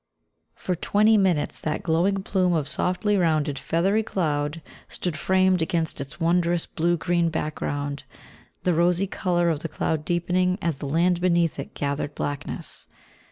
For twenty minutes that glowing plume of softly rounded, feathery cloud stood framed against its wondrous blue green background, the rosy colour of the cloud deepening as the land beneath it gathered blackness.